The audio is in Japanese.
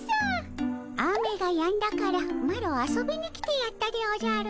雨がやんだからマロ遊びに来てやったでおじゃる。